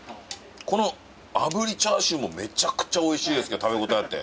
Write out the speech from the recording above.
この炙りチャーシューもめちゃくちゃおいしいですけど食べ応えあって。